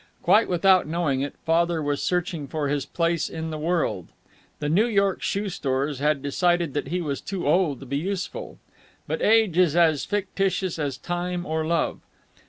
Quite without knowing it, Father was searching for his place in the world. The New York shoe stores had decided that he was too old to be useful. But age is as fictitious as time or love.